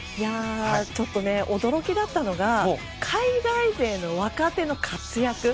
ちょっと驚きだったのが海外勢の若手の活躍。